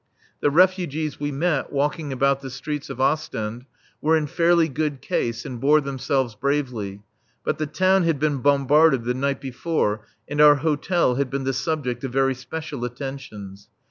The refugees we met walking about the streets of Ostend were in fairly good case and bore themselves bravely. But the town had been bombarded the night before and our hotel had been the object of very special attentions.